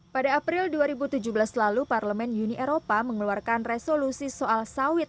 pada april dua ribu tujuh belas lalu parlemen uni eropa mengeluarkan resolusi soal sawit